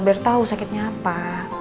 biar tau sakitnya apa